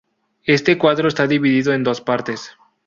Este cuadro está dividido en dos partes.